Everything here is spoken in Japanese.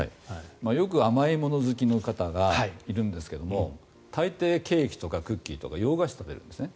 よく甘いもの好きの方がいるんですけど大抵、ケーキとかクッキーとか洋菓子を食べるんですね。